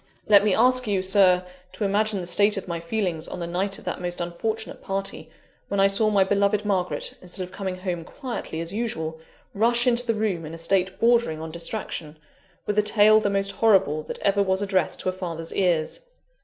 "Let me ask you, Sir, to imagine the state of my feelings on the night of that most unfortunate party, when I saw my beloved Margaret, instead of coming home quietly as usual, rush into the room in a state bordering on distraction, with a tale the most horrible that ever was addressed to a father's ears.